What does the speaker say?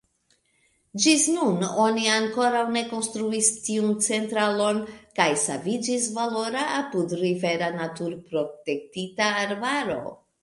Ĝis nun oni ankoraŭ ne konstruis tiun centralon, kaj saviĝis valora apudrivera naturprotektita arbaro.